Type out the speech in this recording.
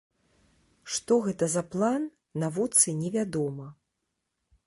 Што гэта за план, навуцы не вядома.